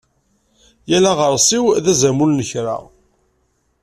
Yal aɣersiw d azamul n kra.